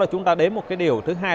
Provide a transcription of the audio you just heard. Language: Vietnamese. chúng ta đến một điều thứ hai